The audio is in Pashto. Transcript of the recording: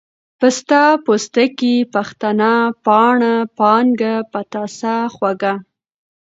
پسته ، پستکۍ ، پښتنه ، پاڼه ، پانگه ، پتاسه، خوږه،